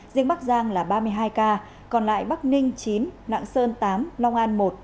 riêng bắc giang là ba mươi hai ca còn lại bắc ninh chín lạng sơn tám long an một